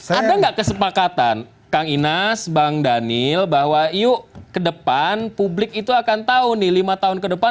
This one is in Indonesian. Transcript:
ada nggak kesepakatan kang inas bang daniel bahwa yuk ke depan publik itu akan tahu nih lima tahun ke depan